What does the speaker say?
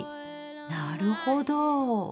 なるほど。